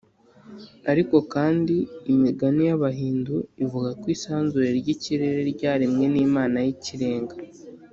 ariko kandi, imigani y’abahindu ivuga ko isanzure ry’ikirere ryaremwe n’imana y’ikirenga